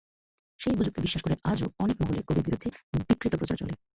সেই গুজবকে বিশ্বাস করে আজও অনেক মহলে কবির বিরুদ্ধে বিকৃত প্রচার চলে।